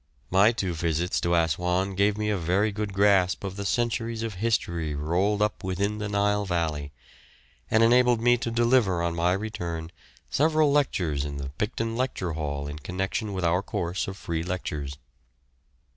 My two visits to Assouan gave me a very good grasp of the centuries of history rolled up within the Nile valley, and enabled me to deliver on my return several lectures in the Picton Lecture Hall in connection with our course of free lectures.